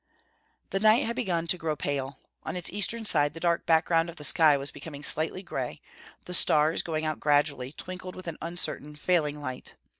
The night had begun to grow pale. On its eastern side the dark background of the sky was becoming slightly gray; the stars, going out gradually, twinkled with an uncertain, failing light.